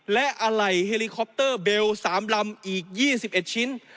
และอะไหล่เฮลิคอปเตอร์เบล๓ลำอีก๒๑ชิ้น